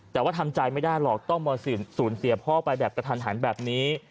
แต่ว่าทำใจไม่ได้หรอกต้องมาสูญเสียพ่อไปแบบกระทันหันแบบนี้